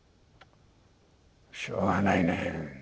しょうがないね。